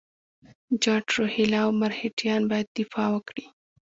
جاټ، روهیله او مرهټیان باید دفاع وکړي.